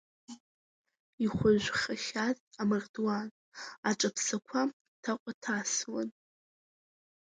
Ихәажәхахьаз амардуан аҿаԥсақәа ҭаҟәаҭасуан.